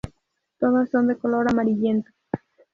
Todas son de color amarillento.